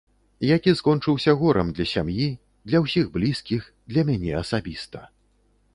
Які скончыўся горам для сям'і, для ўсіх блізкіх, для мяне асабіста.